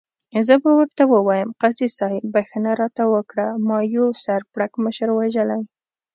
زه به ورته ووایم، قاضي صاحب بخښنه راته وکړه، ما یو سر پړکمشر وژلی.